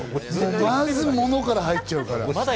まず物から入っちゃうから。